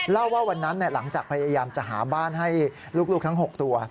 เล่าว่าวันนั้นหลังจากพยายามจะหาบ้านให้ลูกทั้ง๖ตัว